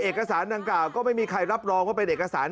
เอกสารดังกล่าวก็ไม่มีใครรับรองว่าเป็นเอกสาร